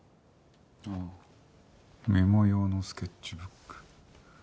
ああメモ用のスケッチブック。